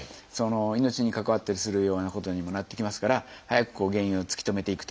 命に関わったりするようなことにもなってきますから早く原因を突き止めていくと。